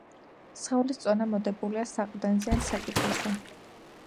სხეულის წონა მოდებულია საყრდენზე ან საკიდელზე.